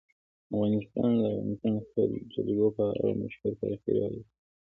افغانستان د د افغانستان جلکو په اړه مشهور تاریخی روایتونه لري.